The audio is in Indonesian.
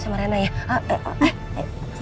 sama reina ya eh eh eh eh